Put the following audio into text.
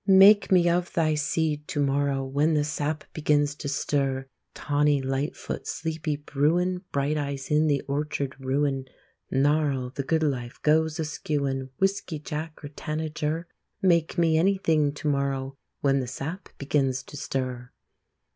Make me of thy seed to morrow, When the sap begins to stir! Tawny light foot, sleepy bruin, Bright eyes in the orchard ruin, Gnarl the good life goes askew in, Whiskey jack, or tanager, Make me anything to morrow, When the sap begins to stir!